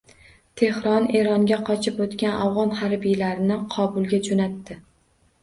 Tehron Eronga qochib o‘tgan afg‘on harbiylarini Kobulga jo‘natdi